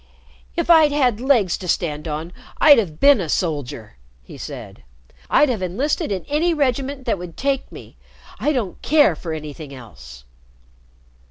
"If I'd had legs to stand on, I'd have been a soldier!" he said. "I'd have enlisted in any regiment that would take me. I don't care for anything else."